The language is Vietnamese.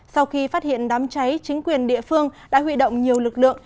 sau khi phát hiện đám cháy chính quyền địa phương đã huy động nhiều lực lượng